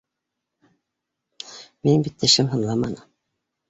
— Минең бит тешем һыҙламаны.